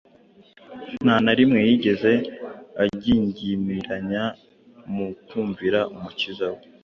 nta na rimwe yigeze agingimiranya mu kumvira Umukiza we